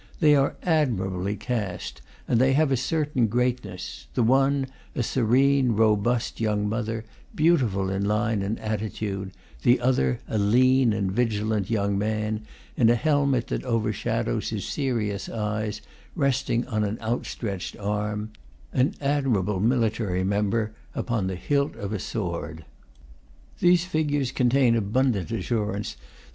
They are admirably cast, and they have a certain greatness: the one, a serene, robust young mother, beautiful in line and attitude; the other, a lean and vigilant young man, in a helmet that overshadows his serious eyes, resting an outstretched arm, an admirable military member, upon the hilt of a sword. These figures con tain abundant assurance that M.